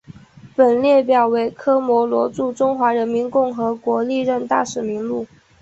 本列表为科摩罗驻中华人民共和国历任大使名录。